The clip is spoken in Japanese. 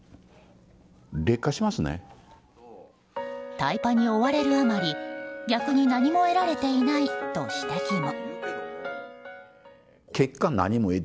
タイパに追われるあまり逆に何も得られていないと指摘も。